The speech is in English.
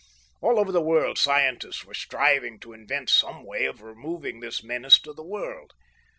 All over the world scientists were striving to invent some way of removing this menace to the world.